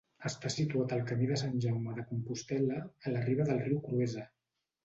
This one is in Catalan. Està situat al Camí de Sant Jaume de Compostel·la, a la riba del riu Cruesa.